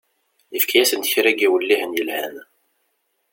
Yefka-asent kra n yiwellihen yelhan.